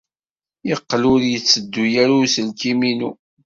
Yeqqel ur yetteddu ara uselkim-inu.